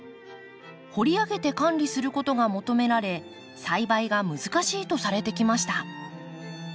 掘り上げて管理することが求められ栽培が難しいとされてきました。